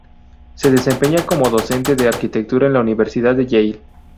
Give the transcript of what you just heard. Se desempeña como docente de arquitectura en la Universidad de Yale.